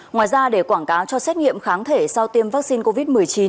ngoài ra để quảng cáo cho xét nghiệm kháng thể sau tiêm vaccine covid một mươi chín